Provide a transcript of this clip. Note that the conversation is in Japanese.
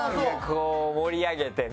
こう盛り上げてね。